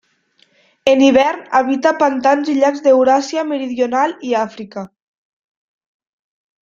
En hivern habita pantans i llacs d'Euràsia meridional i Àfrica.